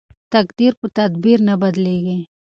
تقدیر په تدبیر نه بدلیږي.